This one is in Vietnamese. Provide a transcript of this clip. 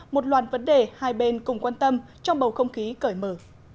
một loạt vấn đề hai bên cùng quan tâm trong bầu không khí cởi mở